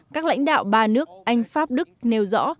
các lãnh đạo ba nước anh pháp đức nêu rõ